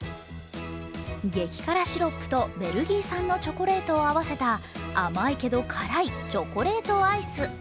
激辛シロップとベルギー産のチョコレートを合わせた甘いけど辛いチョコレートアイス。